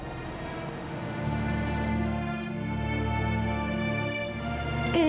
ini semua demi kamu